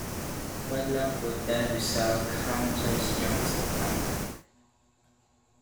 Wedlock would then resell Kanter's jokes to Cantor.